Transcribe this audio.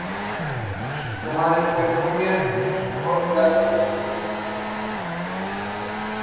Su madre fue Judith Balfour, Lady Swinton, quien era australiana.